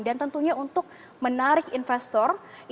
dan tentunya untuk menarik investasi